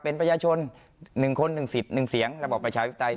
เป็นประชาชนหนึ่งคนหนึ่งสิทธิ์หนึ่งเสียงระบบประชาวิทยาลัย